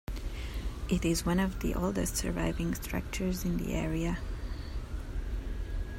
It is one of the oldest surviving structures in the area.